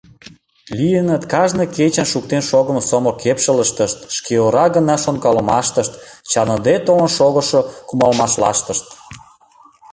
Лийыныт кажне кечын шуктен шогымо сомыл кепшылыштышт, шкеора гына шонкалымаштышт, чарныде толын шогышо кумалмашлаштышт.